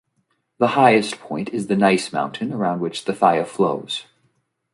The highest point is the gneiss mountain around which the Thaya flows.